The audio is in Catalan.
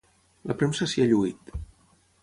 La premsa s'hi ha lluït